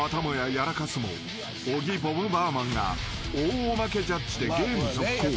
やらかすも小木ボムバーマンが大おまけジャッジでゲーム続行］